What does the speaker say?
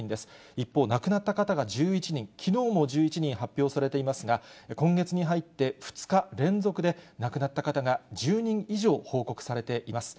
一方、亡くなった方が１１人、きのうも１１人発表されていますが、今月に入って、２日連続で、亡くなった方が１０人以上報告されています。